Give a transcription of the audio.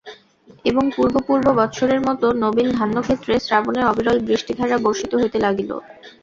এবং পূর্ব পূর্ব বৎসরের মতো নবীন ধান্যক্ষেত্রে শ্রাবণের অবিরল বৃষ্টিধারা বর্ষিত হইতে লাগিল।